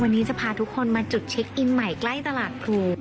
วันนี้จะพาทุกคนมาจุดเช็คอินใหม่ใกล้ตลาดครู